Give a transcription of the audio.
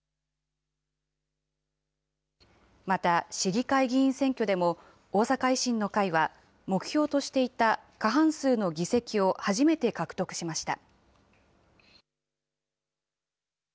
また市議会議員選挙でも、大阪維新の会は、目標としていた過半数の議席を初めて獲得しました。